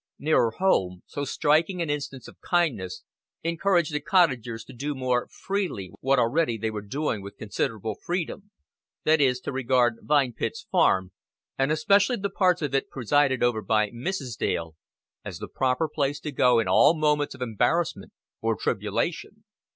Nearer home, so striking an instance of kindness encouraged the cottagers to do more freely what already they were doing with considerable freedom: that is, to regard Vine Pits Farm, and especially the parts of it presided over by Mrs. Dale, as the proper place to go in all moments of embarrassment or tribulation.